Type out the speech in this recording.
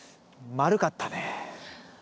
丸かった？